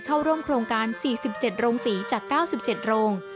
เข้าร่วมโครงการ๔๗โรงศรีจาก๙๗โรง